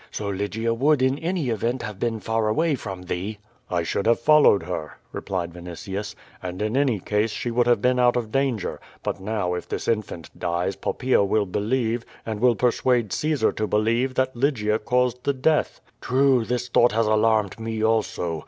So Lygia would in any event have been far away from thee." "I should have followed her," replied Vinitius, "and in any case she would have been out of danger; but now if this infant dies, Poppaea will believe, and will persuade Caesar to believe, that Lygia caused the death." "True; this thought has alarmed me also.